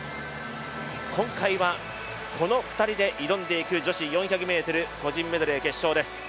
今回は、この２人で挑んでいく女子４００ｍ個人メドレー決勝。